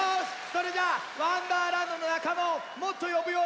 それじゃあ「わんだーらんど」のなかまをもっとよぶよ！